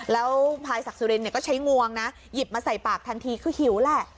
แล้วพลายศักดิ์สุรินก็ใช้งวงนะหยิบมาใส่ปากทันทีคือหิวแหละ